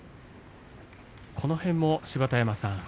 この辺も芝田山さん